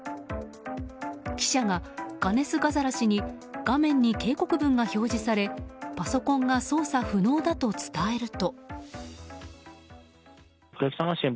記者がガネスガザラ氏に画面に警告文が表示されパソコンが操作不能だと伝えると。